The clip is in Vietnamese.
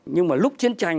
nhưng mà lúc chiến tranh